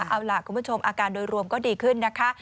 เอาล่ะคุณผู้ชมอาการโดยรวมก็ดีขึ้นนะคะ